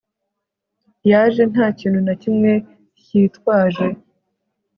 yaje ntakintu na kimwe hyitwaje